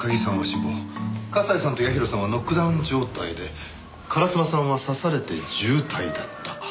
西さんと八尋さんはノックダウン状態で烏丸さんは刺されて重体だった。